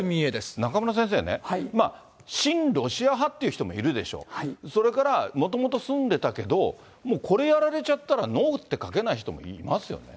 中村先生ね、親ロシア派という人もいるでしょう、それからもともと住んでたけど、もうこれやられちゃったらノーって書けない人もいますよね。